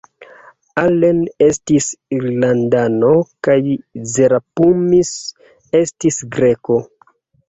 Allen estis Irlandano kaj Zerapumis estis Greko.